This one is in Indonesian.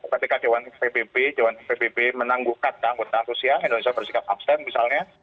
ketika dewan pbb menangguhkan keanggotaan rusia indonesia bersikap abstent misalnya